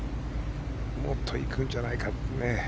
もっと行くんじゃないのか。